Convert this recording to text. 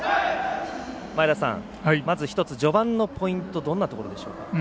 まず、１つ序盤のポイントどんなところでしょうか？